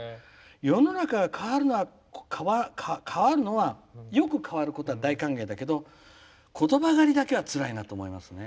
世の中が変わるのはよく変わることは大歓迎だけど、ことば狩りだけはつらいなと思いますね。